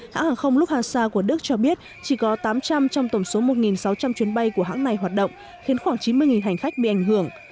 hãng hàng không lufthansa của đức cho biết chỉ có tám trăm linh trong tổng số một sáu trăm linh chuyến bay của hãng này hoạt động khiến khoảng chín mươi hành khách bị ảnh hưởng